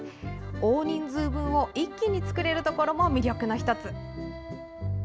大人数分を一気に作れるところも魅力の１つ。